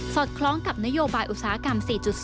อดคล้องกับนโยบายอุตสาหกรรม๔๐